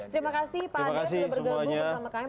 terima kasih pak andika sudah bergabung bersama kami